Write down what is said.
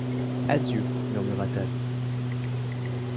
Adieu, murmura-t-elle.